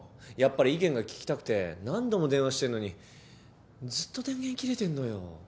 やっぱり意見が聞きたくて何度も電話してんのにずっと電源切れてんのよ。